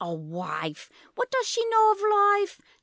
A wife! What does she know of life?